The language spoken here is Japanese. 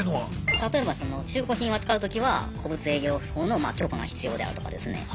例えば中古品を扱うときは古物営業法の許可が必要であるとかですね